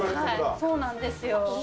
そうなんですよ。